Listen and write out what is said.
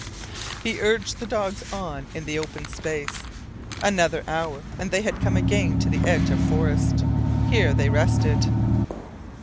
He urged the dogs on in the open space. Another hour and they had come again to the edge of forest. Here they rested.